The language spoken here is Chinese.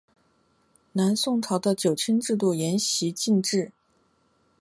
南朝宋的九卿制度沿袭晋制。